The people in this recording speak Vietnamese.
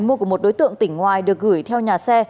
mua của một đối tượng tỉnh ngoài được gửi theo nhà xe